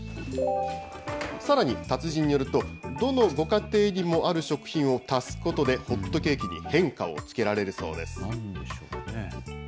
さらに、達人によると、どのご家庭にもある食品を足すことで、ホットケーキに変化をつけ何でしょうかね。